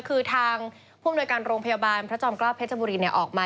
คือทางผู้อำนวยการโรงพยาบาลพระจอมเกล้าเพชรบุรีออกมา